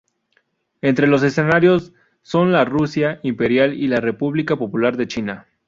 Entre los escenarios son la Rusia imperial y la República Popular de China.